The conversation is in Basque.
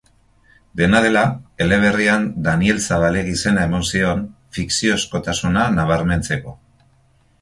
Dena dela, eleberrian Daniel Zabalegi izena eman zion, fikziozkotasuna nabarmentzeko.